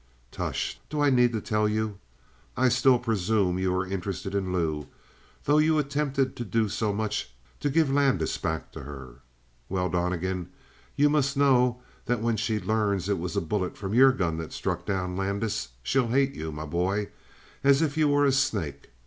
"Tush! Do I need to tell you? I still presume you are interested in Lou, though you attempted to do so much to give Landis back to her. Well, Donnegan, you must know that when she learns it was a bullet from your gun that struck down Landis, she'll hate you, my boy, as if you were a snake.